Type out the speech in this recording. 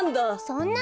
そんな！